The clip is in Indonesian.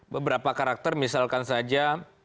beberapa karakter misalkan saja